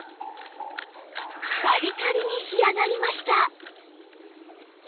カリカリに仕上がりました